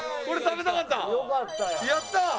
これ食べたかった！